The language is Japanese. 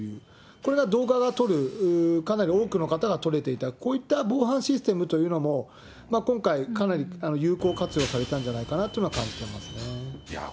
これが動画を撮るかなり多くの方が撮れていた、こういった防犯システムというのも今回、かなり有効活用されたんじゃないかなというのは感じていますね。